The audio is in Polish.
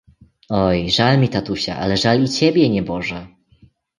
"Oj, żal mi tatusia, ale żal i ciebie, nieboże!"